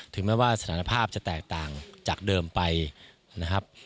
แม้ว่าสถานภาพจะแตกต่างจากเดิมไปนะครับ